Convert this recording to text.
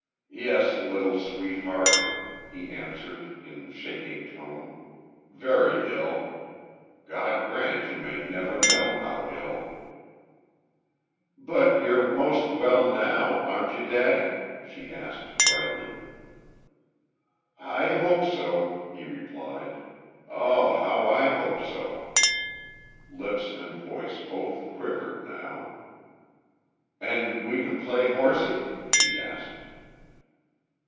"Yes, little sweetheart," he answered, in shaking tone, "very ill. God grant you may never know how ill." "But you're most well, now, aren't you daddy?" she asked, brightly. "I hope so," he replied. "Ah, how I hope so." Lips and voice both quivered, now. "And we can play horsie?" she asked.